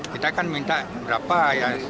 kita kan minta berapa ya